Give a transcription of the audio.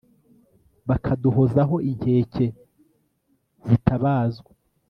bakaduhozaho inkeke zitabazwa